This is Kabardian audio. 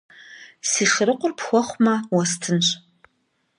Си шырыкъур пхуэхъумэ, уэстынщ.